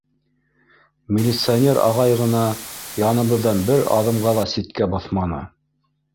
Милиционер ағай ғына яныбыҙҙан бер аҙымға ла ситкә баҫманы.